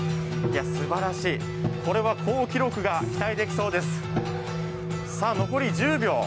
すばらしい、これは好記録が期待できそうです。